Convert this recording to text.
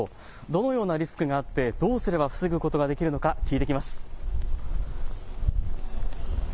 どのようなリスクがあってどうすれば防ぐことができるのか聞いてきます。